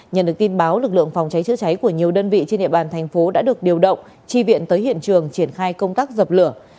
nhận được tin báo lực lượng phòng cháy chữa cháy của nhiều đơn vị trên địa bàn thành phố đã được điều động tri viện tới hiện trường triển khai công tác dập lửa